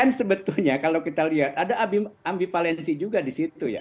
kan sebetulnya kalau kita lihat ada ambivalensi juga di situ ya